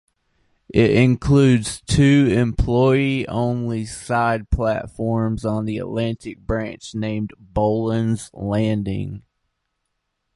It includes two employee-only side platforms on the Atlantic Branch named Boland's Landing.